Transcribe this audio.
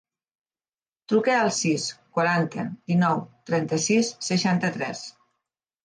Truca al sis, quaranta, dinou, trenta-sis, seixanta-tres.